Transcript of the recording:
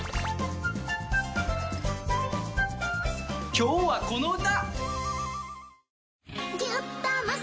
今日はこの歌！